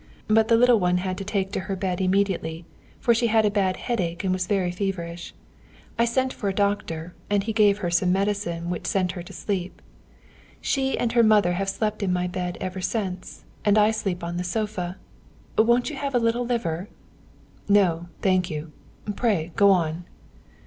But the little one had to take to her bed immediately, for she had a bad headache and was very feverish. I sent for a doctor, and he gave her some medicine which sent her to sleep. She and her mother have slept in my bed ever since, and I sleep on the sofa. Won't you have a little liver?" "No, thank you. Pray, go on!"